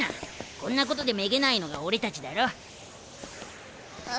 こんなことでめげないのが俺たちだろ。あう。